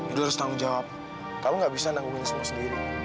itu harus tanggung jawab kamu gak bisa nanggungin semua sendiri